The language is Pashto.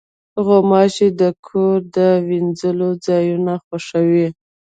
غوماشې د کور د وینځلو ځایونه خوښوي.